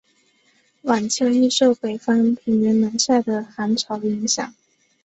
晚秋易受北方平原南下的寒潮影响。